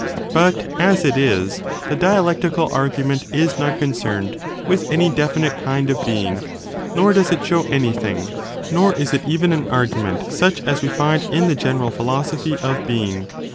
But, as it is, the dialectical argument is not con cerned with any definite kind of being, nor does it show anything, nor is it even an argument such as we find in the general philosophy of being.